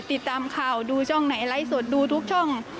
ติดตามข่าวดูช่องไหนไลฟ์สดดูทุกช่อง